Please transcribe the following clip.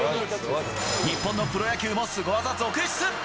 日本のプロ野球もスゴ技続出。